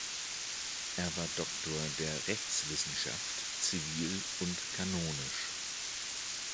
Er war Doktor der Rechtswissenschaft (zivil und kanonisch).